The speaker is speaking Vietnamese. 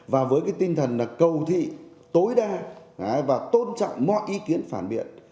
và với tinh thần cầu thị tối đa và tôn trọng mọi ý kiến phản biện